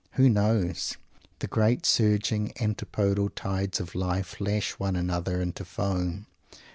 Who knows? The great surging antipodal tides of life lash one another into foam.